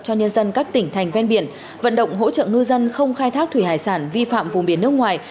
cho nhân dân các tỉnh thành ven biển vận động hỗ trợ ngư dân không khai thác thủy hải sản vi phạm vùng biển nước ngoài